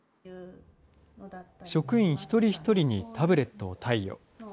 職員一人一人にタブレットを貸与。